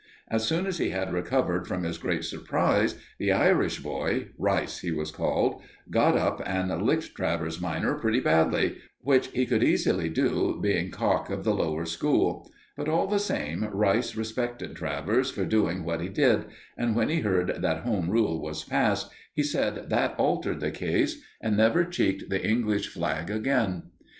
As soon as he had recovered from his great surprise, the Irish boy Rice he was called got up and licked Travers minor pretty badly, which he could easily do, being cock of the Lower School; but, all the same, Rice respected Travers, for doing what he did, and when he heard that Home Rule was passed, he said that altered the case, and never cheeked the English flag again.